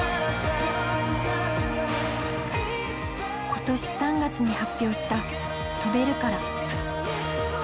今年３月に発表した「飛べるから」。